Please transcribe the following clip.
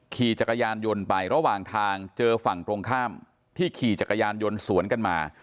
ขี่จักรยานยนต์ไประหว่างทางเจอฝั่งตรงข้ามที่ขี่จักรยานยนต์สวนกันมา